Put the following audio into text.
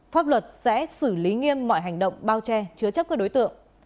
pháp luật sẽ xử lý nghiêm mọi hành động bao che chứa chấp các đối tượng